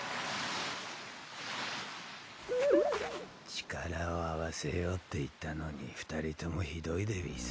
力を合わせようって言ったのに２人ともひどいでうぃす。